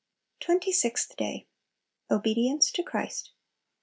26. Twenty sixth Day. Obedience to Christ.